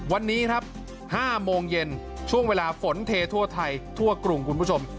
วันนี้ครับ๕โมงเย็นช่วงเวลาฝนเททั่วไทยทั่วกรุงคุณผู้ชม